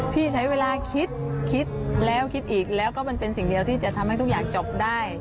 พี่ใช้เวลาคิดคิดแล้วคิดอีกแล้วก็มันเป็นสิ่งเดียวที่จะทำให้ทุกอย่างจบได้